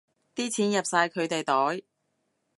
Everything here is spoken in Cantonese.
啲錢入晒佢哋袋